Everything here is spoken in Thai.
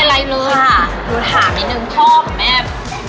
ดูถามอีกหนึ่งชอบแบบ